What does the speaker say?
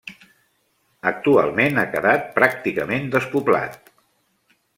Actualment ha quedat pràcticament despoblat.